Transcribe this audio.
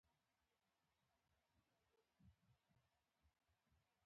لومړی د نوي کاروبار جوړولو لپاره دربار ته تللی و